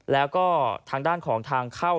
แล้วก็ทางด้านของทางเข้า